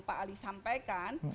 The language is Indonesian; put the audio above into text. pak ali sampaikan